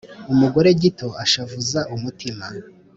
Umugore gito ashavuza umutima,